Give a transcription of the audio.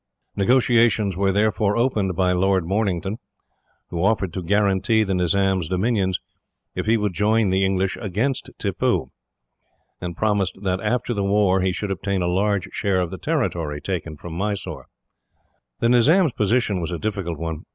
Negotiations were therefore opened by Lord Mornington, who offered to guarantee the Nizam's dominions if he would join the English against Tippoo, and promised that after the war he should obtain a large share of the territory taken from Mysore. The Nizam's position was a difficult one.